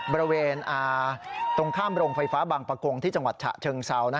บริเวณตรงข้ามโรงไฟฟ้าบางประกงที่จังหวัดฉะเชิงเซา